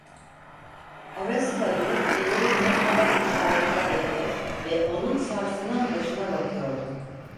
Ara sıra durup ellerimle havada işaretler yapıyor ve onun sarsılan başına bakıyordum.